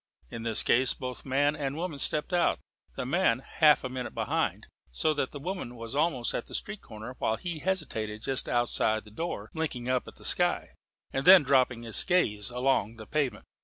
In this case both man and woman stepped out, the man half a minute behind; so that the woman was almost at the street corner while he hesitated just outside the door, blinking up at the sky, and then dropping his gaze along the pavement.